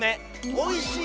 おいしい